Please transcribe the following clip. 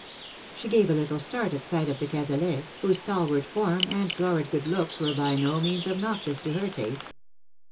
She gave a little start at sight of de Cazalet, whose stalwart form and florid good looks were by no means obnoxious to her taste.